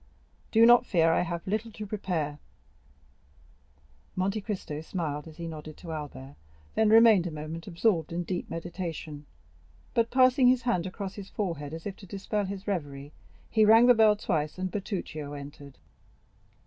"Do not fear, I have little to prepare." Monte Cristo smiled as he nodded to Albert, then remained a moment absorbed in deep meditation. But passing his hand across his forehead as if to dispel his reverie, he rang the bell twice and Bertuccio entered.